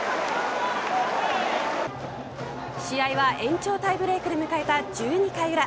試合は延長タイブレークで迎えた１２回裏。